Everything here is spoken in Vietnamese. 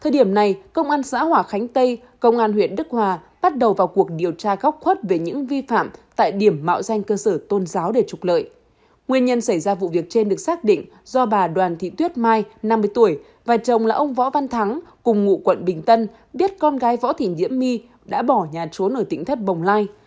điết con gái võ thỉnh diễm my đã bỏ nhà trốn ở tỉnh thất bồng lai